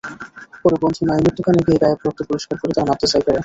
পরে বন্ধু নাঈমের দোকানে গিয়ে গায়ের রক্ত পরিষ্কার করে তারা মাদ্রাসায় ফেরে।